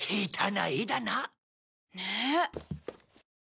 ねえ。